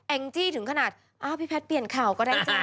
แองจีถึงขนาดพี่แพทย์เปลี่ยนข่าวก็ได้จ้า